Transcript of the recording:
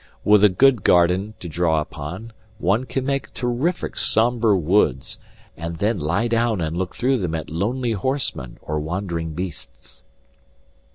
With a good garden to draw upon one can make terrific sombre woods, and then lie down and look through them at lonely horsemen or wandering beasts.